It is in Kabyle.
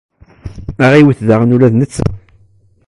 Ad aɣ-iwwet daɣen ula d netta.